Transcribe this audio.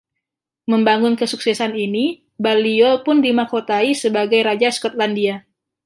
Membangun kesuksesan ini, Balliol pun dimahkotai sebagai Raja Skotlandia.